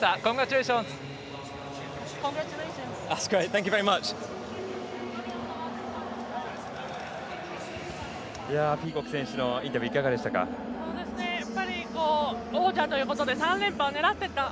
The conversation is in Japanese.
ピーコック選手のインタビューいかがでしたか？